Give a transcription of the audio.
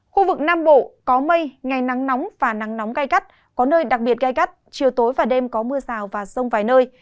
khu vực nam bộ có mây ngày nắng nóng và nắng nóng gai gắt có nơi đặc biệt gai gắt chiều tối và đêm có mưa rào và rông vài nơi